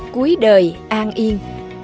cuối đời an yên